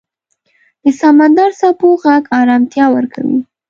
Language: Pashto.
د سمندر څپو غږ آرامتیا ورکوي.